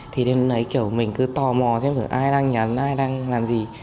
thì đến lấy kiểu mình cứ tò mò xem ai đang nhắn ai đang làm gì